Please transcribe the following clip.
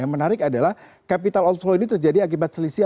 yang menarik adalah capital outflow ini terjadi akibat selisih